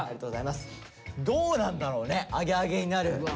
どうなんだろうねアゲアゲになる。